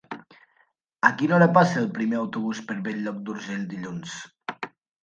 A quina hora passa el primer autobús per Bell-lloc d'Urgell dilluns?